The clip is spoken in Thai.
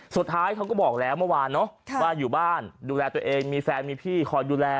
สุดท้ายเขาก็บอกแล้วเมื่อวานเนอะว่าอยู่บ้านดูแลตัวเองมีแฟนมีพี่คอยดูแล